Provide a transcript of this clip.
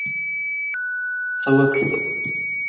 څه وکړی.